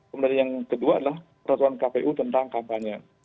kemudian yang kedua adalah peraturan kpu tentang kampanye